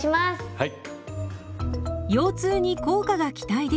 はい。